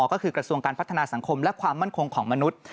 ก็คือกระทรวงการพัฒนาสังคมและความมั่นคงของมนุษย์